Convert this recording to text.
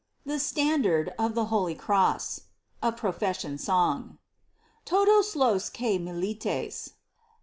THE STANDARD OF THE HOLY CROSS. A PROFESSION SONG. Todos los que militáis.